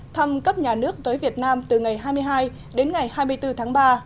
thăm cấp nhà nước tới việt nam từ ngày hai mươi hai đến ngày hai mươi bốn tháng ba